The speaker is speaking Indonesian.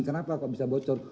kenapa kok bisa bocor